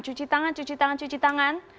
cuci tangan cuci tangan cuci tangan